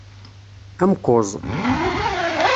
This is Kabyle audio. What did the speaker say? Amkuẓ.